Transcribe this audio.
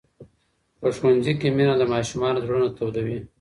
په ښوونځي کې مینه د ماشومانو زړونه تودوي.